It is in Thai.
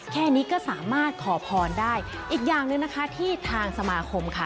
แค่นี้ก็สามารถขอพรได้อีกอย่างหนึ่งนะคะที่ทางสมาคมค่ะ